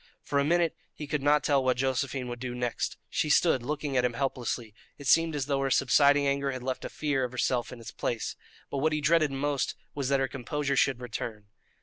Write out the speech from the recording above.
For a minute he could not tell what Josephine would do next. She stood looking at him helplessly; it seemed as though her subsiding anger had left a fear of herself in its place. But what he dreaded most was that her composure should return.